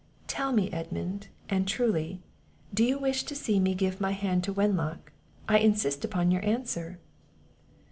"Tell me, Edmund, and truly, do you wish to see me give my hand to Wenlock? I insist upon your answer."